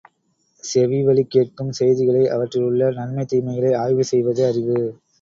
செவி வழிக்கேட்கும் செய்திகளை, அவற்றில் உள்ள நன்மை, தீமைகளை ஆய்வு செய்வது அறிவு.